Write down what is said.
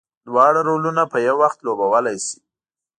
دواړه رولونه په یو وخت لوبولی شي.